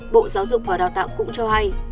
bộ giáo dục và đào tạo cũng cho hay